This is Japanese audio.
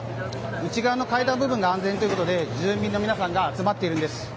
内側の階段部分が安全ということで住民が集まっているんです。